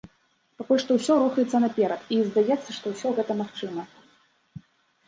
Пакуль што ўсё рухаецца наперад і, здаецца, што ўсё гэта магчыма.